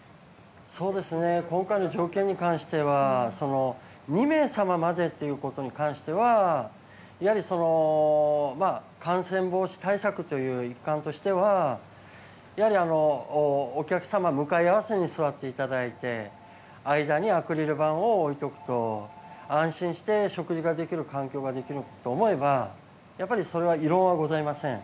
今回の条件に関しては２名様までということに関してはやはり、感染防止対策の一環としてはお客様向かい合わせに座っていただいて間にアクリル板を置いておくと安心して食事ができる環境ができると思えばやっぱりそれは異論はございません。